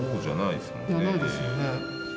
じゃないですよね。